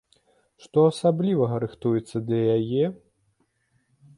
Што асаблівага рыхтуеце для яе?